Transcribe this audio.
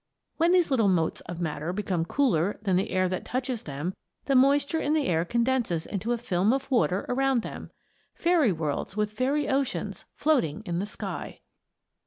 When these little motes of matter become cooler than the air that touches them the moisture in the air condenses into a film of water around them. Fairy worlds with fairy oceans floating in the sky!